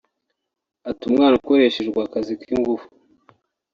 Ati “Umwana ukoreshejwa akazi k’ingufu